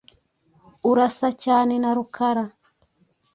urasa cyane na Rukara .